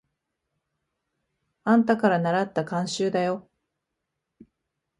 あんたからならった慣習だよ。